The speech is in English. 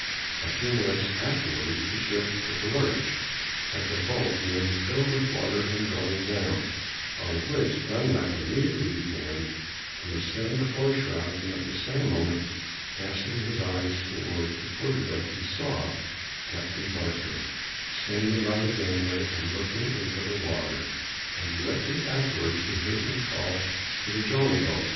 A few minutes afterwards the ship took a lurch, like a boat nearly filled with water and going down; on which Dunlap immediately began to ascend the fore shrouds, and at the same moment casting his eyes towards the quarter deck, he saw Captain Barker standing by the gangway, and looking into the water, and directly afterwards he heard him call for the jolly boat.